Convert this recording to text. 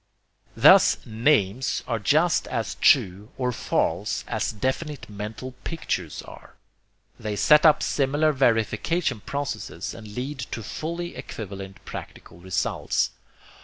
Thus, NAMES are just as 'true' or 'false' as definite mental pictures are. They set up similar verification processes, and lead to fully equivalent practical results.